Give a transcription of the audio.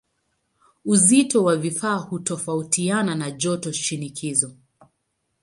Uzito wa vifaa hutofautiana na joto na shinikizo.